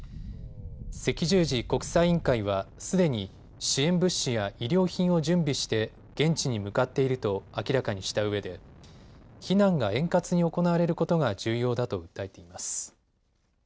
赤十字国際委員会はすでに支援物資や医療品を準備して現地に向かっていると明らかにしたうえで避難が円滑に行われることが重要だと訴えています。